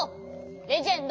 レジェンド。